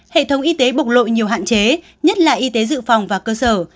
hệ thống y tế bộc lộ nhiều hạn chế nhất là y tế dự phòng và cơ sở